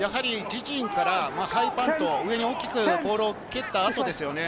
自陣からハイパント、上に大きくボールを蹴った後ですよね。